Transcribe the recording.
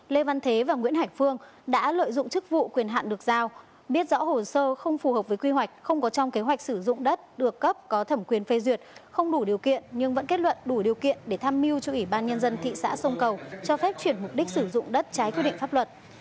lê văn thế và nguyễn hải phương đã lợi dụng chức vụ quyền hạn được giao biết rõ hồ sơ không phù hợp với quy hoạch không có trong kế hoạch sử dụng đất được cấp có thẩm quyền phê duyệt không đủ điều kiện nhưng vẫn kết luận đủ điều kiện để tham mưu cho ủy ban nhân dân thị xã sông cầu cho phép chuyển mục đích sử dụng đất trái quy định pháp luật